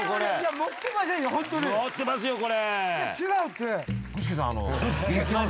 持ってますよこれ。